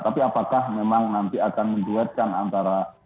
tapi apakah memang nanti akan menduetkan antara